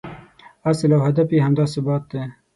اصل او هدف یې همدا ثبات دی.